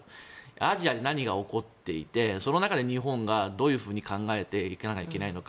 アジアで何が起こっていてその中で日本がどう考えていかなきゃいけないのか。